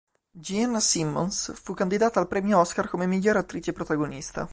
Jean Simmons fu candidata al premio Oscar come miglior attrice protagonista.